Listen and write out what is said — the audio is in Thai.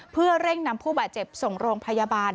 เพื่อเร่งนำผู้บาดเจ็บส่งโรงพยาบาล